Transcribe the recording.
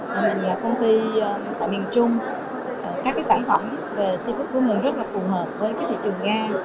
mình là công ty tại miền trung các sản phẩm về xây phức của mình rất là phù hợp với các thị trường nga